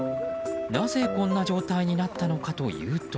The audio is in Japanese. なぜ、こんな状態になったのかというと。